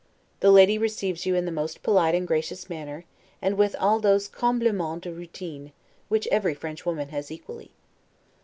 The lady receives you in the most polite and gracious manner, and with all those 'complimens de routine' which every French woman has equally.